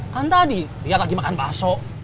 kan tadi dia lagi makan baso